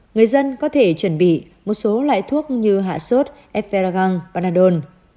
người dân có thể chuẩn bị một số loại thuốc như hạ sốt eferagang panadol